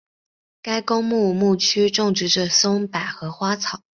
该公墓墓区种植着松柏和花草。